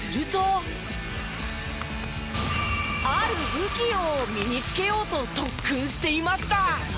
ある武器を身につけようと特訓していました！